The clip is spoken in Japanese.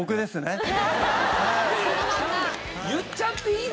「言っちゃっていいですか？」